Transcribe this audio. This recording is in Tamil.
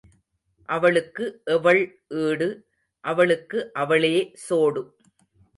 அவளுக்கு எவள் ஈடு அவளுக்கு அவளே சோடு.